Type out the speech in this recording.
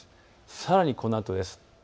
さらにこのあとです。